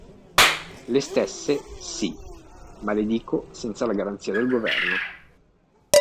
Le stesse, sì: ma le dico senza la garanzia del Governo.